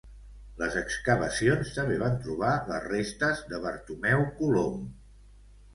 Les excavacions també van trobar les restes de Bartomeu Colom.